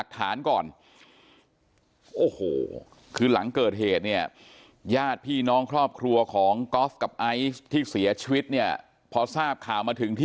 สุดเลยนะฮะ